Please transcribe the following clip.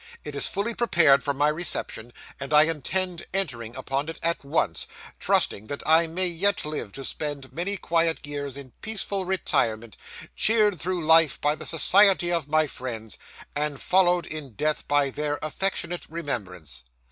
It is fully prepared for my reception, and I intend entering upon it at once, trusting that I may yet live to spend many quiet years in peaceful retirement, cheered through life by the society of my friends, and followed in death by their affectionate remembrance.